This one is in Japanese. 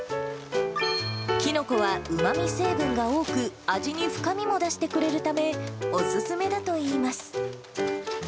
キノコはうまみ成分が多く、味に深みを出してくれるため、お勧めだといいます。